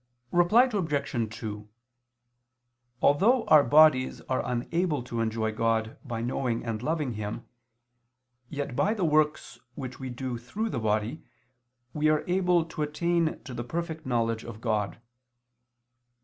Reply Obj. 2: Although our bodies are unable to enjoy God by knowing and loving Him, yet by the works which we do through the body, we are able to attain to the perfect knowledge of God.